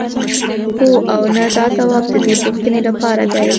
هو او نه دا ځواب د دې پوښتنې لپاره دی.